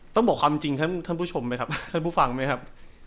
ต้องบอกคำจริงท่านผู้ชมมั้ยครับท่านผู้ฟังมั้ยครับ